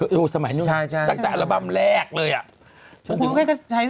โอ้โหสมัยนู้นจากแต่อัลบั้มแรกเลยอะ